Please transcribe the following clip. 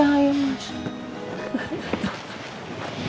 berangkat ya mas